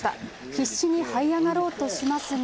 必死にはい上がろうとしますが。